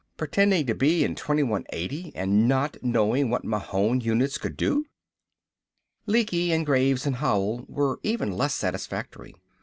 Pretendin' to be in 2180 and not knowin' what Mahon units could do!" Lecky and Graves and Howell were even less satisfactory.